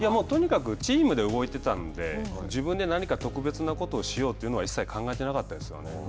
とにかくチームで動いてたので自分で何か特別なことをしようというのは一切考えてなかったですよね。